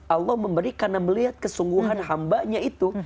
allah memberi karena melihat kesungguhan hambanya itu